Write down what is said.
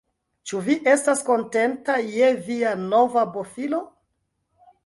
Ĉu vi estas kontenta je via nova bofilo?